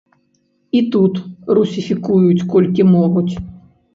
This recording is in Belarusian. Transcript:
І тут русіфікуюць колькі могуць.